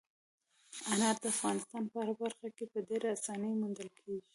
انار د افغانستان په هره برخه کې په ډېرې اسانۍ موندل کېږي.